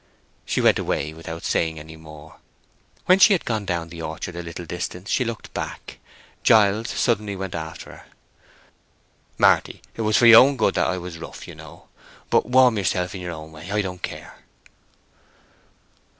She went away without saying any more. When she had gone down the orchard a little distance she looked back. Giles suddenly went after her. "Marty, it was for your good that I was rough, you know. But warm yourself in your own way, I don't care."